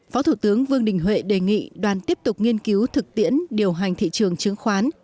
phó thủ tướng vương đình huệ đề nghị đoàn tiếp tục nghiên cứu thực tiễn điều hành thị trường chứng khoán